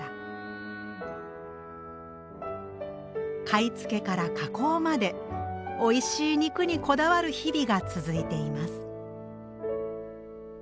買い付けから加工までおいしい肉にこだわる日々が続いています。